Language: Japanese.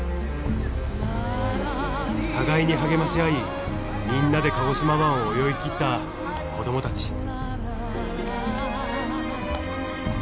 互いに励まし合いみんなで鹿児島湾を泳ぎきった子どもたち。